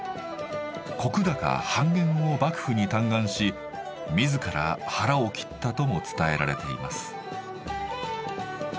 「石高半減」を幕府に嘆願し自ら腹を切ったとも伝えられています。